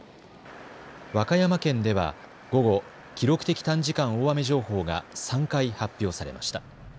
和歌山県では午後、記録的短時間大雨情報が３回発表されました。